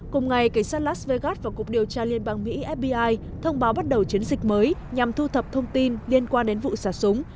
cùng ngày cảnh sát las vegas và cục điều tra liên bang mỹ fbi thông báo bắt đầu chiến dịch mới nhằm thu thập thông tin liên quan đến vụ xả súng